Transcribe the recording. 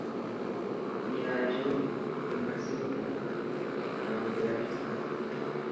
ntiyaje mu museke; ntabwo yaje saa sita;